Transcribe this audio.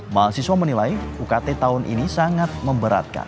mahasiswa menilai ukt tahun ini sangat memberatkan